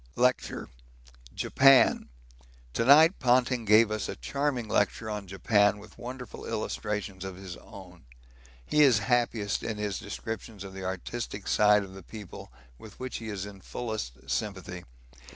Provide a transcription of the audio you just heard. Lecture Japan. To night Ponting gave us a charming lecture on Japan with wonderful illustrations of his own. He is happiest in his descriptions of the artistic side of the people, with which he is in fullest sympathy.